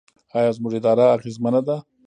آیا زموږ اداره اغیزمنه ده؟